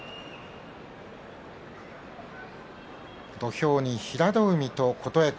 土俵に平戸海と琴恵光。